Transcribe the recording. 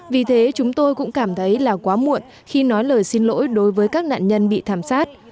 vì thế chúng tôi cũng cảm thấy là quá muộn khi nói lời xin lỗi đối với các nạn nhân bị thảm sát